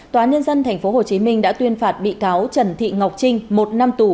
tòa nhân dân tp hcm đã tuyên phạt bị cáo trần thị ngọc trinh một năm tù